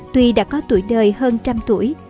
tuy đã có tuổi đời hơn trăm tuổi